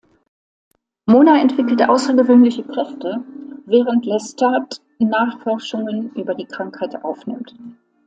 Mona entwickelt außergewöhnliche Kräfte, während Lestat Nachforschungen über die Krankheit aufnimmt.